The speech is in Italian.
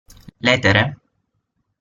L'etere?